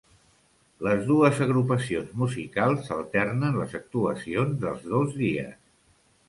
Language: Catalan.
Les dues agrupacions musicals s'alternen les actuacions dels dos dies.